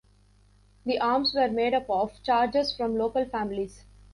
The arms were made up of "charges" from local families.